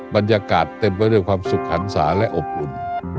บรรยากาศเต็มไปด้วยความสุขหันศาและอบอุ่น